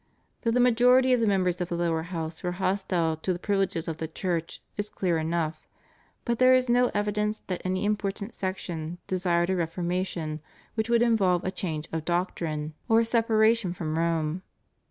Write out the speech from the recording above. That the majority of the members of the lower House were hostile to the privileges of the Church is clear enough, but there is no evidence that any important section desired a reformation which would involve a change of doctrine or separation from Rome.